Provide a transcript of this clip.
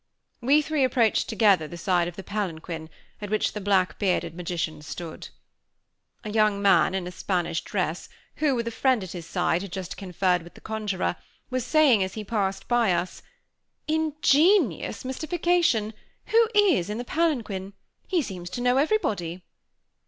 We three approached, together, the side of the palanquin, at which the black bearded magician stood. A young man, in a Spanish dress, who, with a friend at his side, had just conferred with the conjuror, was saying, as he passed us by: "Ingenious mystification! Who is that in the palanquin? He seems to know everybody!"